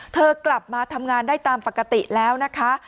กลับมาทำงานได้ตามปกติแล้วนะคะ